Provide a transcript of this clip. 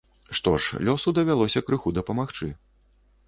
Што ж, лёсу давялося крыху дапамагчы.